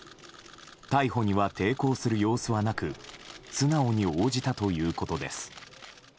逮捕には抵抗する様子はなく素直に応じたということです。